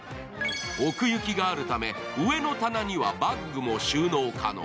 奥行きがあるため、上の棚にはバッグも収納可能。